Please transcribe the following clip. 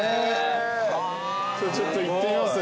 ちょっと行ってみます？